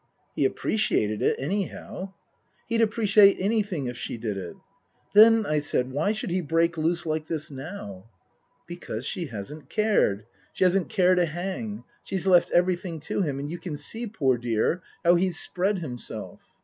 " He appreciated it, anyhow." " He'd appreciate anything if she did it." " Then," I said, " why should he break loose like this now ?"" Because she hasn't cared. She hasn't cared a hang. She's left everything to him. And you can see, poor dear, how he's spread himself."